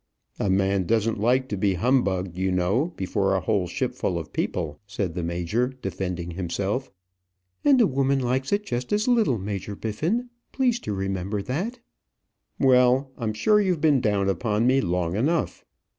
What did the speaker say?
"A man doesn't like to be humbugged, you know, before a whole shipful of people," said the major, defending himself. "And a woman likes it just as little, Major Biffin; please to remember that." "Well; I'm sure you've been down upon me long enough."